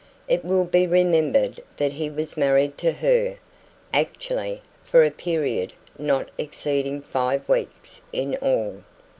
It will be remembered that he was married to her, actually, for a period not exceeding five weeks in all.